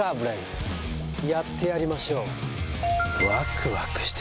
やってやりましょう。